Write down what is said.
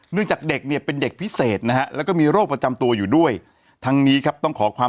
จากเด็กเนี่ยเป็นเด็กพิเศษนะฮะแล้วก็มีโรคประจำตัวอยู่ด้วยทั้งนี้ครับต้องขอความ